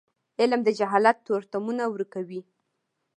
علم د جهالت تورتمونه ورکوي.